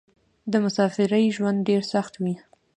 د مسافرۍ ژوند ډېر سخت وې.